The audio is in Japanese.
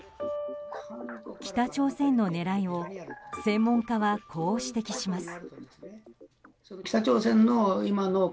北朝鮮の狙いを専門家はこう指摘します。